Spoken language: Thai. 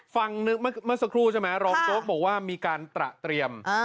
เมื่อสักครู่ใช่ไหมรองโจ๊กบอกว่ามีการตระเตรียม